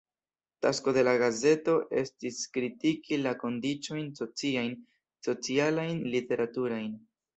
Tasko de la gazeto estis kritiki la kondiĉojn sociajn, socialajn, literaturajn.